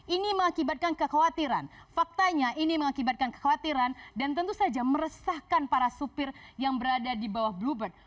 ini mengakibatkan kekhawatiran faktanya ini mengakibatkan kekhawatiran dan tentu saja meresahkan para supir yang berada di bawah bluebird